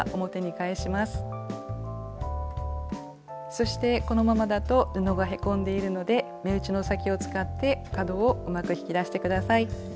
そしてこのままだと布がへこんでいるので目打ちの先を使って角をうまく引き出して下さい。